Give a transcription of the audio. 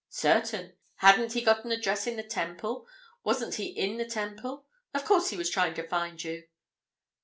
"Certain. Hadn't he got an address in the Temple? Wasn't he in the Temple? Of course, he was trying to find you."